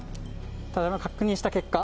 ただいま確認した結果